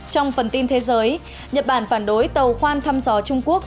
trong phần tin thế giới nhật bản phản đối tàu khoan thăm dò trung quốc